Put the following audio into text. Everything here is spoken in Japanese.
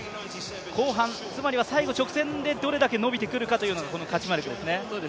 後半、つまりは最後直線でどれだけ伸びてくるかというのがこのカチュマレクですね。